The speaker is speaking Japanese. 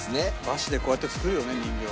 和紙でこうやって作るよね人形。